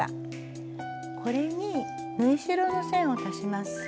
これに縫い代の線を足します。